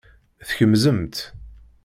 Tkemzemt.